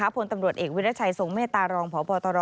ผลตำรวจเอกวิรัชัยทรงเมตตารองพบตร